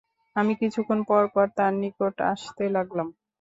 আমি কিছুক্ষণ পর পর তার নিকট আসতে লাগলাম।